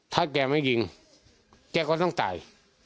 ถ้าแกไม่ยิงแกก็ต้องตาย